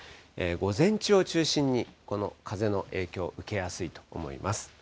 午前中を中心にこの風の影響、受けやすいと思います。